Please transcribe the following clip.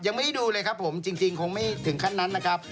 ยังไม่ได้ดูเลยครับผมจริงคงไม่ถึงขั้นนั้นนะครับ